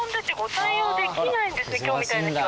今日みたいな日は。